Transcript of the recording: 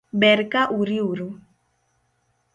Ber ka uriuru